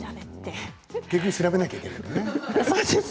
結局、調べないといけないのね。